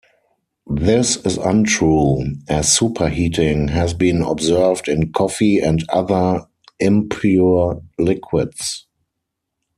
This is untrue, as superheating has been observed in coffee and other impure liquids.